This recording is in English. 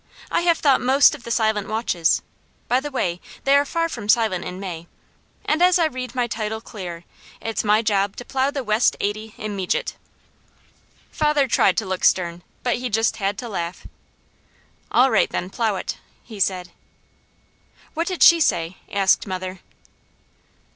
I have thought most of the silent watches by the way they are far from silent in May and as I read my title clear, it's my job to plow the west eighty immejit." Father tried to look stern, but he just had to laugh. "All right then, plow it!" he said. "What did she say?" asked mother.